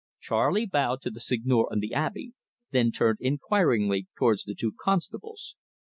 Charley bowed to the Seigneur and the Abbe, then turned inquiringly towards the two constables.